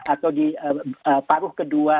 atau di paruh kedua